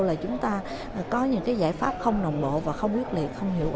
là chúng ta có những cái giải pháp không nồng bộ và không quyết liệt không hiệu quả